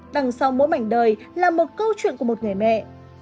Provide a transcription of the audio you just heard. đằng sau mỗi mảnh đời là một câu chuyện của một người mẹ